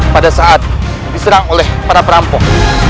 pada saat diserang oleh para perampok